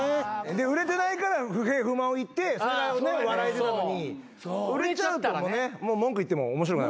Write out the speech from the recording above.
売れてないから不平不満を言ってそれが笑えてたのに売れちゃうともう文句言っても面白くないもんね。